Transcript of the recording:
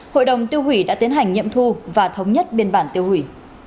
hội đồng tiêu hủy đã tiến hành nghiệm thu và thống nhất biên bản tiêu hủy